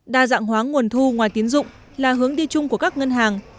đa dạng hóa nguồn thu ngoài tiến dụng là hướng đi chung của các ngân hàng